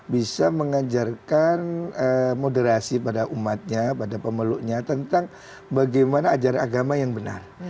bisa mengajarkan moderasi pada umatnya pada pemeluknya tentang bagaimana ajaran agama yang benar